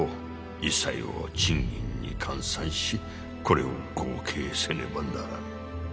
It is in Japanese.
一切を賃金に換算しこれを合計せねばならぬ。